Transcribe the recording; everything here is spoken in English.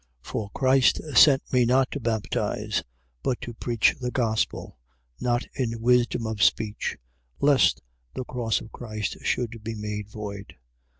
1:17. For Christ sent me not to baptize, but to preach the gospel: not in wisdom of speech, lest the cross of Christ should be made void.